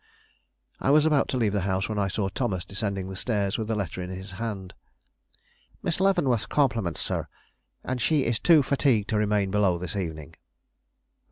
I was about to leave the house, when I saw Thomas descending the stairs with a letter in his hand. "Miss Leavenworth's compliments, sir, and she is too fatigued to remain below this evening."